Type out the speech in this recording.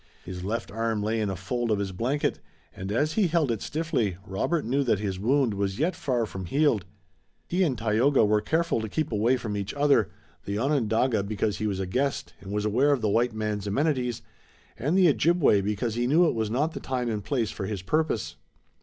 His left arm lay in a fold of his blanket, and, as he held it stiffly, Robert knew that his wound was yet far from healed. He and Tayoga were careful to keep away from each other, the Onondaga because he was a guest and was aware of the white man's amenities, and the Ojibway because he knew it was not the time and place for his purpose.